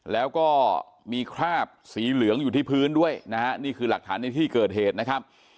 แล้วก็มีคราบสีเหลืองอยู่ที่พื้นด้วยนะฮะนี่คือหลักฐานในที่เกิดเหตุนะครับ